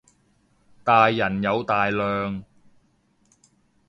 大人有大量